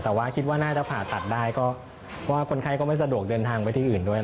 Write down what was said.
แต่ว่าคิดว่าน่าจะผ่าตัดได้บรรคมันก็ไม่สะดวกเดินทางไปที่อื่น